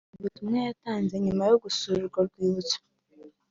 Mu butumwa yatanze nyuma yo gusura urwo rwibutso